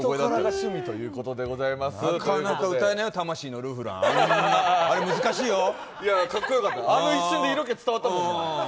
なかなか歌えないよ「魂のルフラン」あの一瞬で色気伝わったもんな。